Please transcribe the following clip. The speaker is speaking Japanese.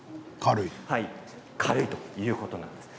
軽いということです。